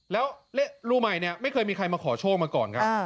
แล้วรูใหม่เนี่ยไม่เคยมีใครมาขอโชคมาก่อนครับ